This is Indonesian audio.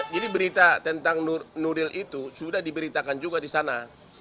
jadi berita tentang nuril itu sudah diberitakan juga di sana